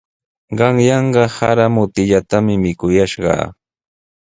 Qanyanqa sara mutillatami mikuyashqaa.